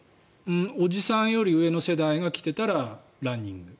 おじさんより上の世代が着てたらランニング。